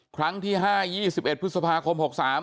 ครั้งที่๕๒๑พฤษภาคม๖๓